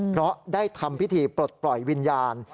เพราะได้ทำพิธีปลดปล่อยวิญญาณ